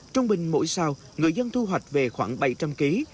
trong bình mỗi xào người dân thu hoạch về khoảng bảy trăm linh kg